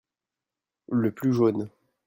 Le plus jaune.